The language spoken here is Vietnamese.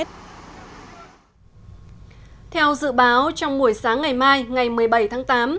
theo dự báo trong buổi sáng ngày mai ngày một mươi bảy tháng tám